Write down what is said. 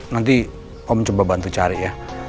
nanti om coba bantu cari ya